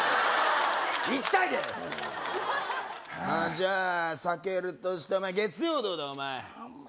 じゃあ避けるとして月曜どうだお前